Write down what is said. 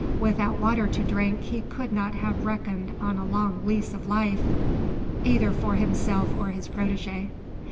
Without water to drink he could not have reckoned on a long lease of life, either for himself or his protege.